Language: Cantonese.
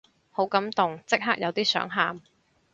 好感動，即刻有啲想喊